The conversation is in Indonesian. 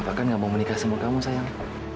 bapak kan nggak mau menikah sama kamu sayang